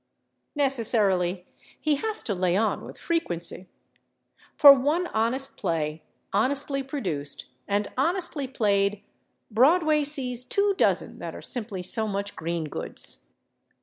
Necessarily, he has to lay on with frequency. For one honest play, honestly produced and honestly played, Broadway sees two dozen that are simply so much green goods.